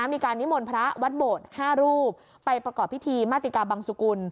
มีการนิมนต์พระวัดโบสถ์๕รูปไปประกอบพิธีมาติกาบังสุกุล